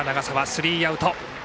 スリーアウト。